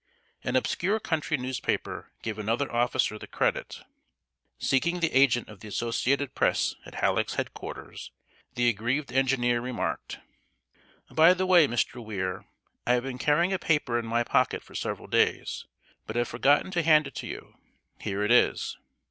An obscure country newspaper gave another officer the credit. Seeking the agent of the Associated Press at Halleck's head quarters, the aggrieved engineer remarked: "By the way, Mr. Weir, I have been carrying a paper in my pocket for several days, but have forgotten to hand it to you. Here it is."